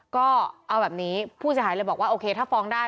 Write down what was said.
ก็เอาแบบนี้ผู้เสียหายเลยบอกว่าโอเคถ้าฟ้องได้